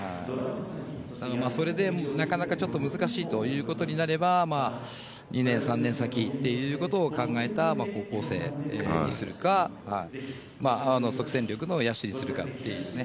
だから、それでなかなか難しいということになれば、２年、３年先を考えた高校生にするか、即戦力の野手にするかというね。